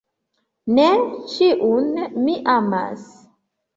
Ne ĉiun mi amas.